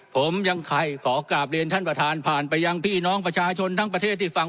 ผมยังใครขอกราบเรียนท่านประธานผ่านไปยังพี่น้องประชาชนทั้งประเทศที่ฟัง